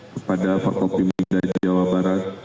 kepada fakultim minda jawa barat